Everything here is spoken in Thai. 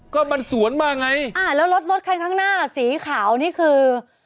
ก็มันสวนมาไงอ่าแล้วรถรถคันข้างหน้าสีขาวนี่คือ